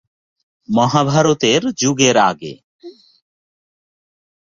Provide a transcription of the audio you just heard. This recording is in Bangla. মহাভারতের যুগের আগে।